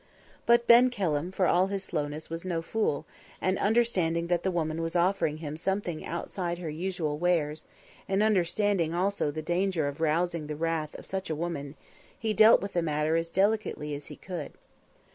But Ben Kelham, for all his slowness, was no fool, and understanding that the woman was offering him something outside her usual wares, and understanding also the danger of rousing the wrath of such a woman, he dealt with the matter as delicately as he could.